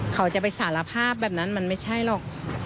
เขาจะไปสารภาพแบบนั้นมันไม่ใช่หรอก